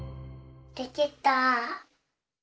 できた。